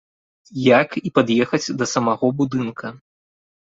Як і пад'ехаць да самога будынка.